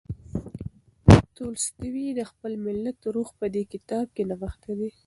تولستوی د خپل ملت روح په دې کتاب کې نغښتی دی.